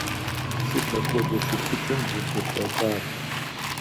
Сыт апхуэдэ щытыкӀэм дыщӀыхуэкӀуар?